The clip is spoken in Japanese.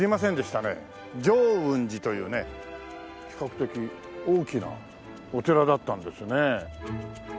浄運寺というね比較的大きなお寺だったんですね。